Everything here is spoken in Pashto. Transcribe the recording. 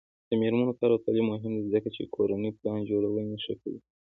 د میرمنو کار او تعلیم مهم دی ځکه چې کورنۍ پلان جوړونې ښه کوي.